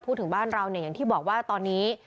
ถึงบ้านเราเนี่ยอย่างที่บอกว่าตอนนี้